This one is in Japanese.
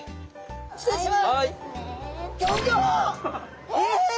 失礼します。